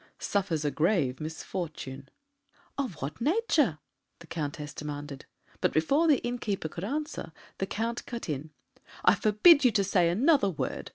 "Suffers a grave misfortune." "Of what nature?" the Countess demanded; but before the innkeeper could answer, the Count cut in: "I forbid you to say another word.